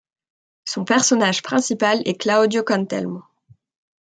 Son personnage principal est Claudio Cantelmo.